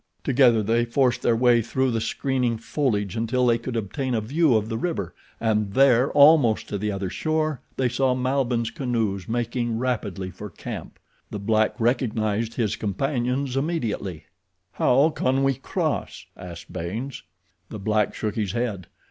Together they forced their way through the screening foliage until they could obtain a view of the river, and there, almost to the other shore, they saw Malbihn's canoes making rapidly for camp. The black recognized his companions immediately. "How can we cross?" asked Baynes. The black shook his head.